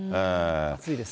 暑いです。